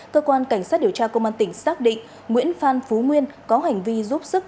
cơ quan cảnh sát điều tra công an tỉnh xác định nguyễn phan phú nguyên có hành vi giúp sức